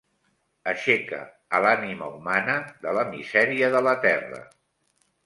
Aixeca a l'ànima humana de la misèria de la terra